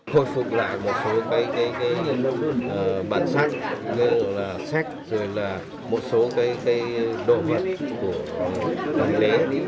khôi phục lại một số bản sách sách một số đồ vật